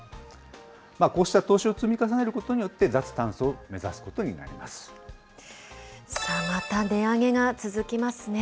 こうした投資を積み重ねることによって、脱炭素を目指すことまた値上げが続きますね。